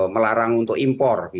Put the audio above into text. melarang untuk impor